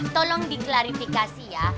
tolong diklarifikasi ya